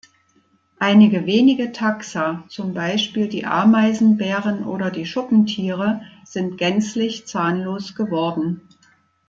Einige wenige Taxa, zum Beispiel die Ameisenbären oder die Schuppentiere, sind gänzlich zahnlos geworden.